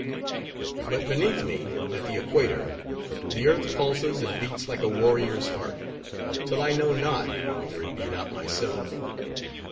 But beneath me, at the Equator, the earth pulses and beats like a warrior's heart; till I know not, whether it be not myself.